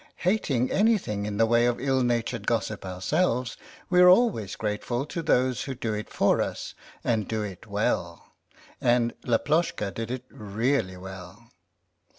Hating anything in the way of ill natured gossip ourselves, we are always grateful to those who do it for us and do it well. And Laploshka did it really well.